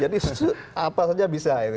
jadi apa saja bisa